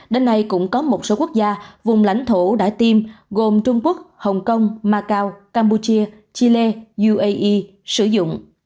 đến nay cũng có một số quốc gia vùng lãnh thổ đã tiêm gồm trung quốc hồng kông macau campuchia chile uae sử dụng